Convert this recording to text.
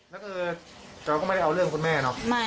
แล้วก็เราก็ไม่ได้เอาเรื่องคุณแม่เนาะ